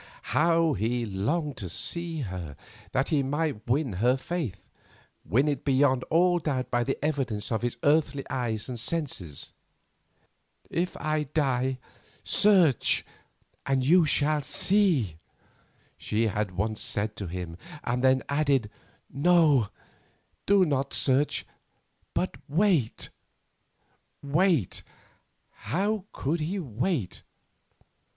how he longed to see her, that he might win her faith; win it beyond all doubt by the evidence of his earthly eyes and senses. "If I die, search and you shall see," she had once said to him, and then added, "No, do not search, but wait." Wait! How could he wait?